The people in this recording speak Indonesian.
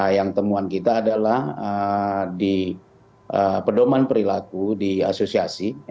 yang temuan kita adalah di pedoman perilaku di asosiasi